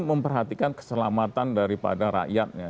memperhatikan keselamatan daripada rakyatnya